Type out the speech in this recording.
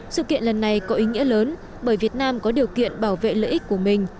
sự kiện lần này có ý nghĩa lớn bởi việt nam có điều kiện bảo vệ lợi ích của mình